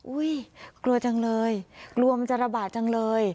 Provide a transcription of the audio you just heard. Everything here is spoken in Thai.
กลัวจังเลยกลัวมันจะระบาดจังเลย